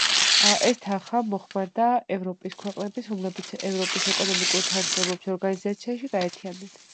ეს თანხა მოხმარდა ევროპის ქვეყნებს, რომლებიც ევროპის ეკონომიკური თანამშრომლობის ორგანიზაციაში გაერთიანდნენ.